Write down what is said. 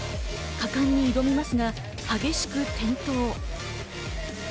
果敢に挑みますが激しく転倒。